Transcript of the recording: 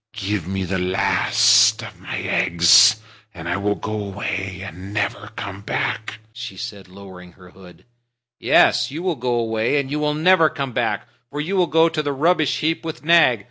Give me the last of my eggs, and I will go away and never come back," she said, lowering her hood. "Yes, you will go away, and you will never come back. For you will go to the rubbish heap with Nag.